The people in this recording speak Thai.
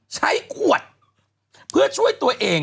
ใช้ขวดเพื่อช่วยตัวเอง